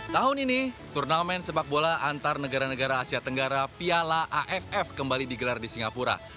tahun ini turnamen sepak bola antar negara negara asia tenggara piala aff kembali digelar di singapura